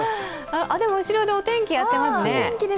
でも後ろでお天気やってますね。